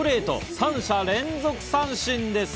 ３者連続三振です。